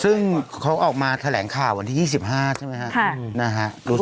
ซึ่งเขาออกมาแถลงข่าววันที่๒๕ใช่ไหมครับ